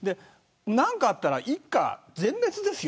何かあったら一家全滅ですよ